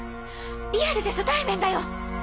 リアルじゃ初対面だよ！